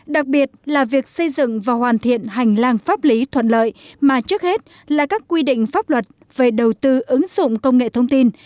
đặc biệt là việc xây dựng và hoàn thiện hành lang pháp lý thuận lợi mà trước hết là các quy định pháp luật về đầu tư ứng dụng công nghệ thông tin